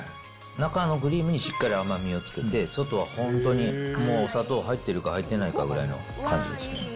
中のクリームにしっかり甘みをつけて、外は本当に、もう砂糖入ってるか入ってないかぐらいの感じですね。